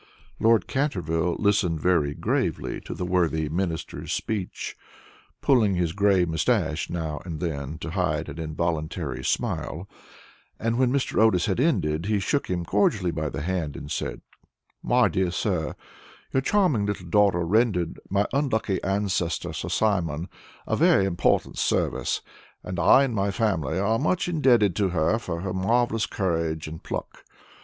Lord Canterville listened very gravely to the worthy Minister's speech, pulling his gray moustache now and then to hide an involuntary smile, and when Mr. Otis had ended, he shook him cordially by the hand, and said: "My dear sir, your charming little daughter rendered my unlucky ancestor, Sir Simon, a very important service, and I and my family are much indebted to her for her marvelous courage and pluck.